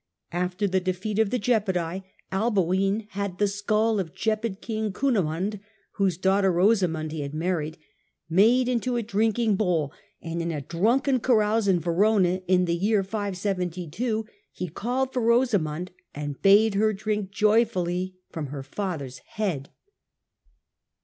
After the defeat of the Gepidae, Alboin had the skull of the Gepid King, Cunimund, whose daughter Rosamund he had married, made into a drinking bowl, and in a drunken carouse in Verona, in the year 572, he called for Rosamund and bade her drink joyfully from her father's head.